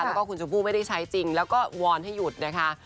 แล้วก็คุณชมพู่ไม่ได้ใช้จริงแล้วก็วอนให้หยุดนะคะ